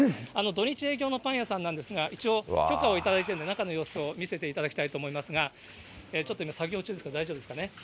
土日営業のパン屋さんなんですが、一応、許可をいただいているので、中の様子を見せていただきたいと思いますが、ちょっと今、作業中ですか、大丈夫ですかね。